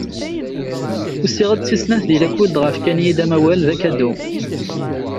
Usiɣ-d d tis snat di lakul dɣa fkan-iyi-d amawal d akadu.